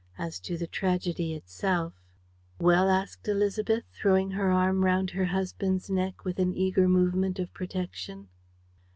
As to the tragedy itself. ..." "Well?" asked Élisabeth, throwing her arm round her husband's neck, with an eager movement of protection.